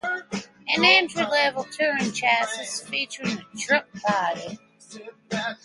A entry level touring chassis, featuring a truck body.